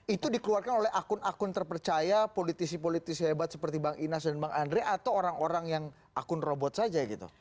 itu dikeluarkan oleh akun akun terpercaya politisi politisi hebat seperti bang inas dan bang andre atau orang orang yang akun robot saja gitu